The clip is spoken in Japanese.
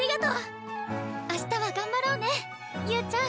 明日は頑張ろうね侑ちゃん。